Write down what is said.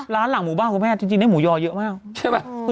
ร้านหลังหมูเบ้าคุณแม่จริงได้หมูยอเยอะมาก